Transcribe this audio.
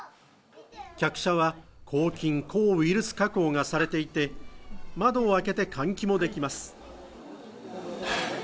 客車は抗菌・抗ウイルス加工がされていて窓を開けて換気もできます。